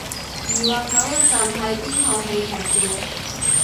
疑惑咗一陣係邊套戲劇照